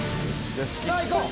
さぁいこう！